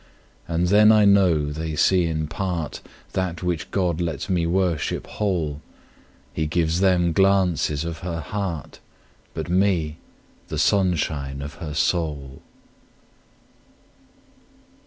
And then I know they see in partThat which God lets me worship whole:He gives them glances of her heart, But me, the sunshine of her soul.